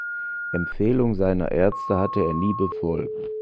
Empfehlungen seiner Ärzte hatte er nie befolgt.